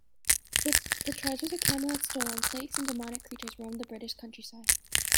With the treasures of Camelot stolen, plagues and demonic creatures roam the British country-side.